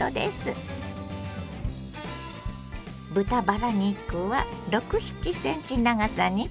豚バラ肉は６７ｃｍ長さに切ります。